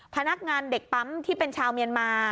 พนักงานเด็กปั๊มที่เป็นชาวเมียนมา